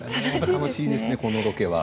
楽しいですね、このロケは。